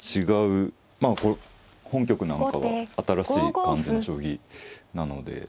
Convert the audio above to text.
違うまあ本局なんかは新しい感じの将棋なので。